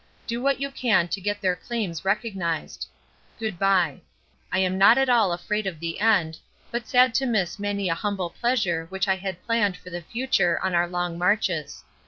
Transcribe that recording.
Do what you can to get their claims recognised. Goodbye. I am not at all afraid of the end, but sad to miss many a humble pleasure which I had planned for the future on our long marches.